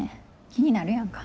気になるやんか。